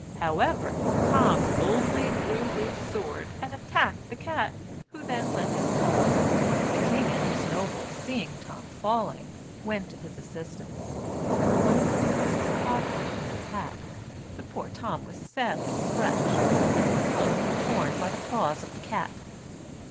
However, Tom boldly drew his sword and attacked the cat, who then let him fall. The king and his nobles seeing Tom falling, went to his assistance, and one of the lords caught him in his hat; but poor Tom was sadly scratched, and his clothes were torn by the claws of the cat.